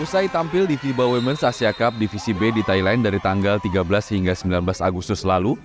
usai tampil di fiba womens ⁇ asia cup divisi b di thailand dari tanggal tiga belas hingga sembilan belas agustus lalu